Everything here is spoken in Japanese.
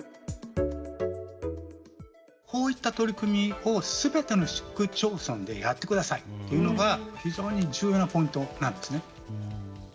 こういう取り組みをすべての市区町村でやってくださいというのが非常に重要なポイントなんですね。